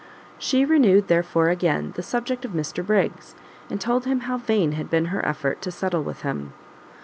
She renewed, therefore, again, the subject of Mr Briggs, and told him how vain had been her effort to settle with him.